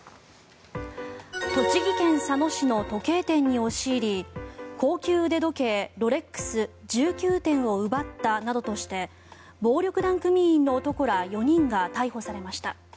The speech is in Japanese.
栃木県佐野市の時計店に押し入り高級腕時計ロレックス１９点を奪ったなどとして暴力団組員の男ら４人が逮捕されました。